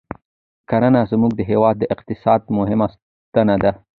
کرنه زموږ د هېواد د اقتصاد مهمه ستنه ده